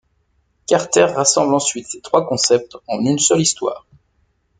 Carter rassemble ensuite ces trois concepts en une seule histoire.